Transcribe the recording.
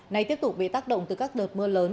này tiếp tục bị tác động từ các đợt mưa lớn